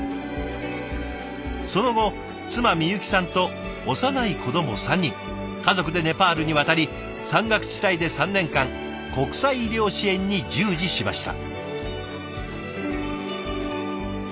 その後妻みゆきさんと幼い子ども３人家族でネパールに渡り山岳地帯で３年間国際医療支援に従事しました。